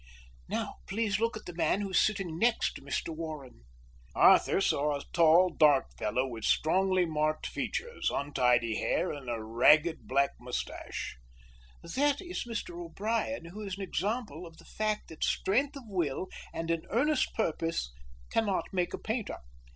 "Now please look at the man who is sitting next to Mr Warren." Arthur saw a tall, dark fellow with strongly marked features, untidy hair, and a ragged black moustache. "That is Mr O'Brien, who is an example of the fact that strength of will and an earnest purpose cannot make a painter.